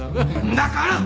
だから！